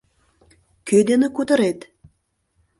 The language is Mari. — Кӧ дене кутырет?